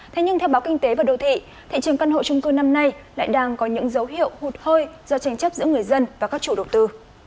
thế nhưng theo báo kinh tế và đô thị thị trường căn hộ trung cư năm nay lại đang có những dấu hiệu hụt hơi do tranh chấp giữa người dân và các chủ đầu tư